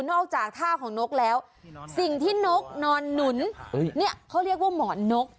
จากท่าของนกแล้วสิ่งที่นกนอนหนุนเนี่ยเขาเรียกว่าหมอนนก